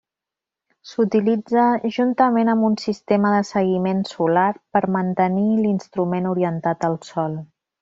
S'utilitza juntament amb un sistema de seguiment solar per mantenir l'instrument orientat al sol.